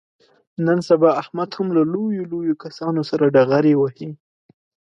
نن سبا احمد هم له لویو لویو کسانو سره ډغرې وهي.